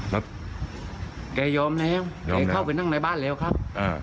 แล้วแกยอมแล้วแกเข้าไปนั่งในบ้านแล้วครับ